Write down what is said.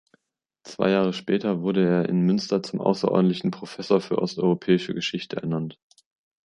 Zwei Jahre später wurde er in Münster zum außerordentlichen Professor für Osteuropäische Geschichte ernannt.